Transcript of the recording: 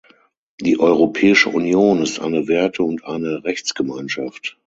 Die Europäische Union ist eine Werte- und eine Rechtsgemeinschaft.